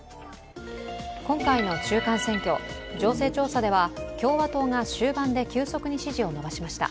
今回の中間選挙、情勢調査では共和党が終盤で急速に支持を伸ばしました。